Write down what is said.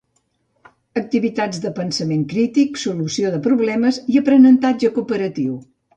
Activitats de pensament crític, solució de problemes i aprenentatge cooperatiu.